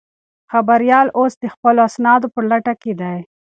خبریال اوس د خپلو اسنادو په لټه کې دی.